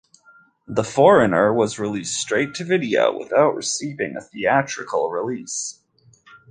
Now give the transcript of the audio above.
"The Foreigner" was released straight to video without receiving a theatrical release.